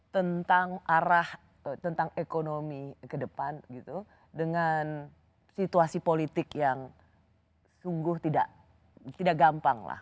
tentang arah tentang ekonomi ke depan gitu dengan situasi politik yang sungguh tidak gampang lah